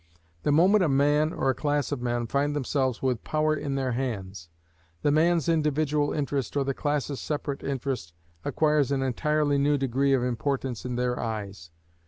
The moment a man, or a class of men, find themselves with power in their hands, the man's individual interest, or the class's separate interest, acquires an entirely new degree of importance in their eyes.